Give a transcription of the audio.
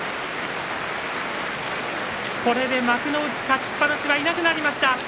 これで幕内勝ちっぱなしはいなくなりました。